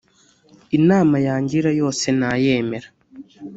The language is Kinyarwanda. inama yangira yose nayemera